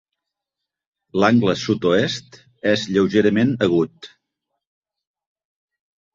L'angle sud-oest és lleugerament agut.